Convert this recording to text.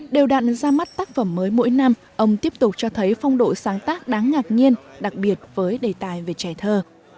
đều đạn ra mắt tác phẩm mới mỗi năm ông tiếp tục cho thấy phong độ sáng tác đáng ngạc nhiên đặc biệt với đề tài về trẻ thơ